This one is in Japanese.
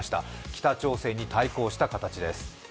北朝鮮に対抗した形です。